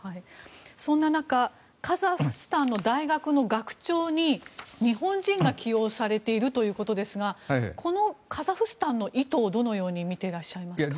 そんな中カザフスタンの大学の学長に日本人が起用されているということですがこのカザフスタンの意図をどのように見ていらっしゃいますか？